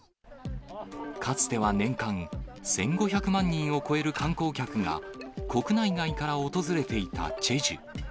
かつては年間１５００万人を超える観光客が、国内外から訪れていたチェジュ。